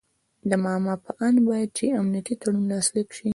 د ماما په آند باید چې امنیتي تړون لاسلیک شي.